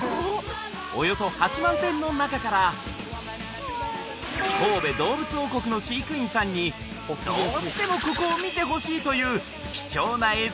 およそ８万点の中から神戸どうぶつ王国の飼育員さんにどうしてもここを見てほしいという貴重な映像やかわいい瞬間を